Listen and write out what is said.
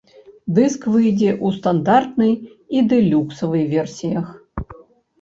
Дыск выйдзе ў стандартнай і дэлюксавай версіях.